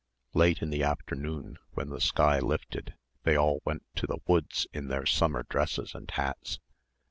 Late in the afternoon when the sky lifted they all went to the woods in their summer dresses and hats.